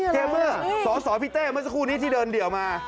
เมอร์สพี่เต้เมื่อสักครู่นี้ที่เดินเดี่ยวมา